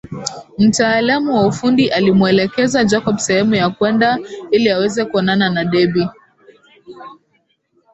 Mtaalamu wa ufundi alimuelekeza Jacob sehemu ya kwenda ili aweze kuonana na Debby